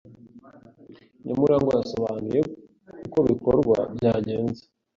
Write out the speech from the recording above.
Nyamurangwa yasobanuye uko bikorwa byagenze